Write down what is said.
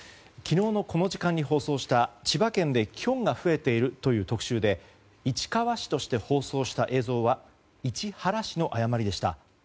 昨日のこの時間に放送した千葉県でキョンが増えているという特集で市川市として放送した映像は市原市の誤りでした。